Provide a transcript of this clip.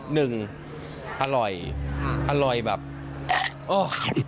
หนึ่งอร่อยอร่อยแบบโอ๊ย